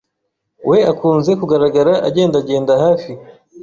we akunze kugaragara agendagenda hafi